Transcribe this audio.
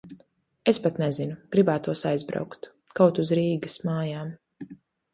Es pat nezinu. Gribētos aizbraukt. Kaut uz Rīgas mājām.